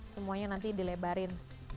semuanya nanti dilebarin